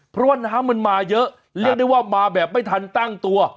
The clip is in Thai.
เพราะว่าน้ำมันมาเยอะเรียกได้ว่ามาแบบไม่ทันตั้งตัว